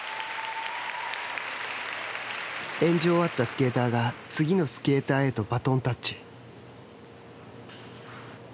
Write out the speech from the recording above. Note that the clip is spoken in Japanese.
演じ終わったスケーターが次のスケーターへとバトンタッチ。